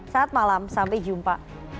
saat malam sampai jumpa